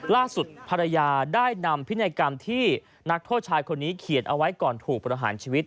ล่าสุดภรรยาได้นำพินัยกรรมที่นักโทษชายคนนี้เขียนเอาไว้ก่อนถูกประหารชีวิต